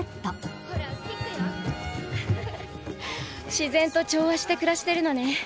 自然と調和して暮らしてるのね。